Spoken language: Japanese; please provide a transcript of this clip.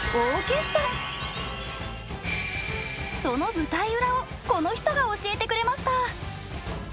その舞台裏をこの人が教えてくれました。